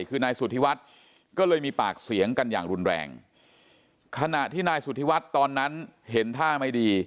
คือนายสุธิวัฒน์ก็เลยมีปากเสียงกันอย่างรุนแรงขณะที่นายสุธิวัฒน์ตอนนั้นเห็นท่าไม่ดี